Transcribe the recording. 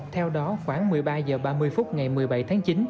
theo đó khoảng một mươi ba h ba mươi phút ngày một mươi bảy tháng chín